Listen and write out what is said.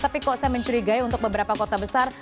tapi kok saya mencurigai untuk beberapa kota besar